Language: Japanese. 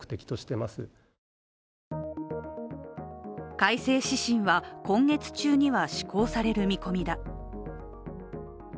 改正指針は今月中には施行される見込みだ。